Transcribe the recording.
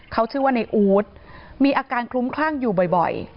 เขาชื่อว่าในอู๊ดมีอาการคลุ้มคลั่งอยู่บ่อย